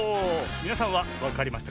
みなさんはわかりましたか？